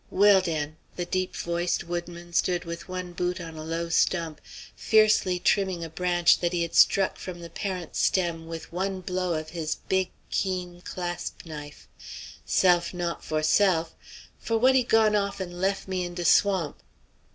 "Well, den," the deep voiced woodman stood with one boot on a low stump, fiercely trimming a branch that he had struck from the parent stem with one blow of his big, keen clasp knife, "self not for self, for what he gone off and lef' me in de swamp?"